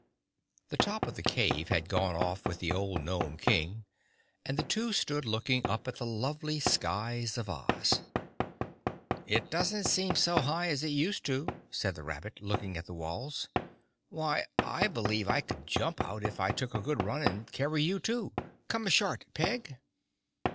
The top of the cave had gone off with the old gnome King and the two stood looking up at the lovely skies of Oz. "It doesn't seem so high as it used to," said the rabbit, looking at the walls. "Why, I believe I could jump out if I took a good run and carry you, too. Come ashort, Peg!"